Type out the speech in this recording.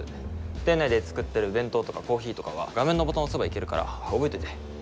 店内で作ってる弁当とかコーヒーとかは画面のボタンを押せばいけるから覚えといて。